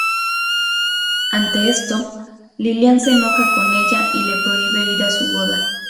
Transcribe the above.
Ante esto, Lillian se enoja con ella y le prohíbe ir a su boda.